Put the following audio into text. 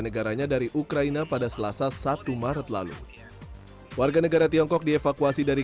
negaranya dari ukraina pada selasa satu maret lalu warga negara tiongkok dievakuasi dari